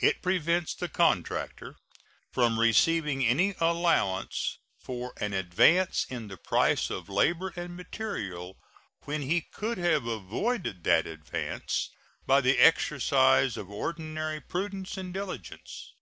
It prevents the contractor from receiving any allowance for an advance in the price of labor and material when he could have avoided that advance by the exercise of ordinary prudence and diligence.